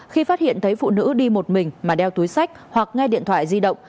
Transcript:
khi phát hiện thấy phụ nữ đi một mình mà đeo túi sách hoặc nghe điện thoại di động